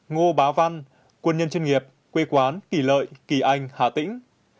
một mươi hai ngô bá văn quân nhân chuyên nghiệp quê quán kỳ lợi kỳ anh hà tĩnh